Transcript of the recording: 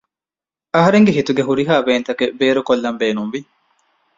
އަހަރެންގެ ހިތުގެ ހުރިހާވޭންތަކެއް ބޭރުކޮއްލަން ބޭނުންވި